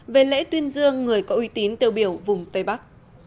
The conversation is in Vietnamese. về lễ tuyên dương người có uy tín tiêu biểu vùng tây bắc